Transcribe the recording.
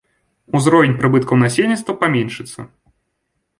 Узровень прыбыткаў насельніцтва паменшыцца.